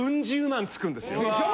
でしょ？